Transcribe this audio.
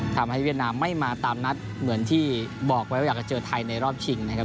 เวียดนามไม่มาตามนัดเหมือนที่บอกไว้ว่าอยากจะเจอไทยในรอบชิงนะครับ